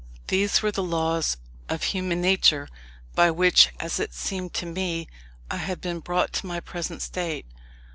These were the laws of human nature, by which, as it seemed to me, I had been brought to my present state.